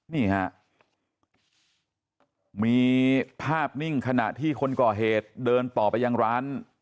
นี่ฮะมีภาพนิ่งขณะที่คนก่อเหตุเดินต่อไปยังร้าน